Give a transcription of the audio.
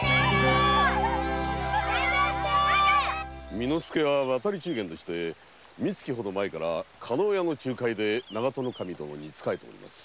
巳之助は渡り中間でして三月前から加納屋の仲介で長門守殿に仕えております。